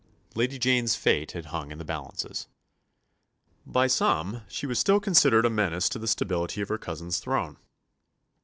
Lady Jane's fate had hung in the balances. By some she was still considered a menace to the stability of her cousin's throne.